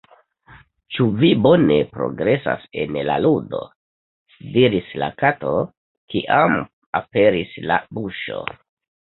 "Ĉu vi bone progresas en la ludo?" diris la Kato, kiam aperis la buŝo.